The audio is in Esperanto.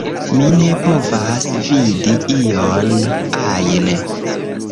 Mi ne povas vidi ion ajn